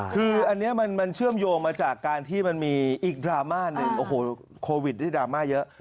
คืออันนี้มันเชื่อมโยงมาจากการที่มันมีอีกดราม่าโควิดได้ดราม่าเยอะ